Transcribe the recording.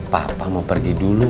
papa mau pergi dulu